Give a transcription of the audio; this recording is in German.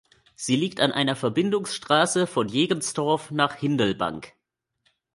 Sie liegt an einer Verbindungsstrasse von Jegenstorf nach Hindelbank.